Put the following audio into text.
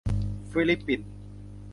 ฟิลิปปินส์